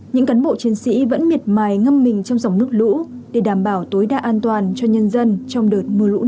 những cán bộ chiến sĩ vẫn miệt mài ngâm mình trong dòng nước lũ để đảm bảo tối đa an toàn cho nhân dân trong đợt mưa lũ năm nay